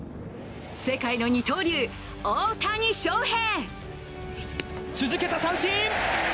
世界の二刀流・大谷翔平。